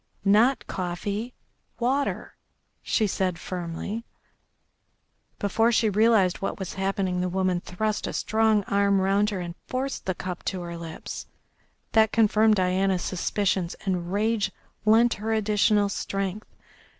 Not coffee. Water," she said firmly. Before she realised what was happening the woman thrust a strong arm round her and forced the cup to her lips. That confirmed Diana's suspicions and rage lent her additional strength.